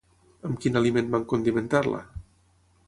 Amb quin aliment van condimentar-la?